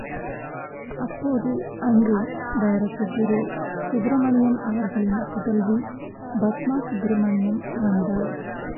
அப்போது அங்கு டைரக்டர் திரு சுப்ரமணியம் அவர்களின் புதல்வி பத்மா சுப்ரமணியம் வந்தார்.